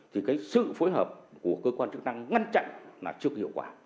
thì cái sự phối hợp của cơ quan chức năng ngăn chặn là chưa có hiệu quả